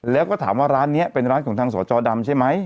แล้วก็ถามว่าร้านนี้เป็นร้านของทางสจดำใช่ไหม